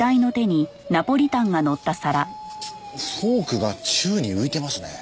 フォークが宙に浮いてますね。